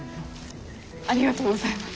ありがとうございます。